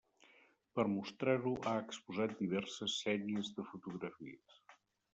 Per mostrar-ho ha exposat diverses sèries de fotografies.